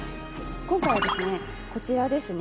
今回はですねこちらですね。